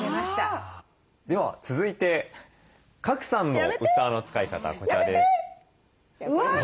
では続いて賀来さんの器の使い方こちらです。